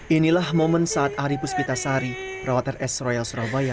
inilah momen saat ari puspitasari perawat rs royal surabaya